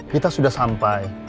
kita sudah sampai